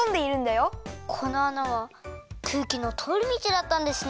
このあなはくうきのとおりみちだったんですね。